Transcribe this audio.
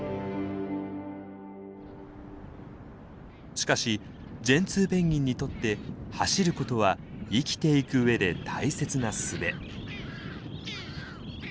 しかしジェンツーペンギンにとって走ることは生きていくうえで大切なすべ。